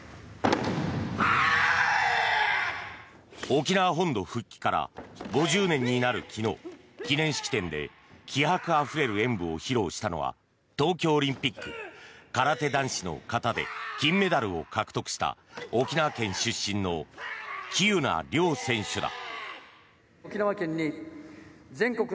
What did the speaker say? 沖縄本土復帰から５０年になる昨日記念式典で気迫あふれる演武を披露したのは東京オリンピック空手男子の形で金メダルを獲得した沖縄県出身の喜友名諒選手だ。